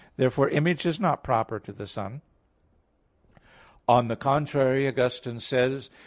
Therefore Image is not proper to the Son. On the contrary, Augustine says (De Trin.